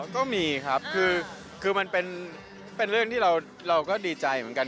ก็มีครับคือมันเป็นเรื่องที่เราก็ดีใจเหมือนกัน